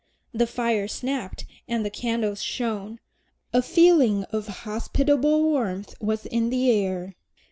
The fire snapped and the candles shone; a feeling of hospitable warmth was in the air.